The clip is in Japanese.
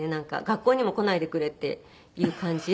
学校にも来ないでくれっていう感じ。